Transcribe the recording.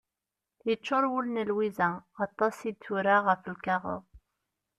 Yeččur wul n Lwiza, aṭas i d-tura ɣef lkaɣeḍ.